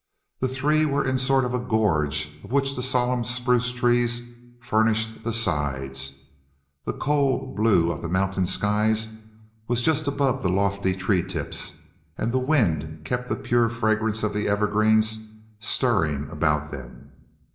The three were in a sort of gorge of which the solemn spruce trees furnished the sides, the cold blue of the mountain skies was just above the lofty tree tips, and the wind kept the pure fragrance of the evergreens stirring about them.